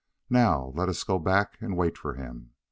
"Now let us go back and wait for him.